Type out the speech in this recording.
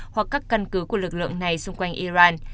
hoặc các căn cứ của lực lượng này xung quanh iran